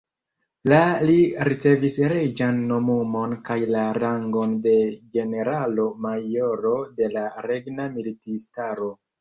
La li ricevis reĝan nomumon kaj la rangon de generalo-majoro de la regna militistaro.